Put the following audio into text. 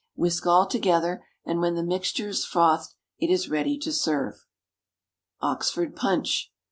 Whisk all together, and when the mixture is frothed, it is ready to serve. _Oxford Punch.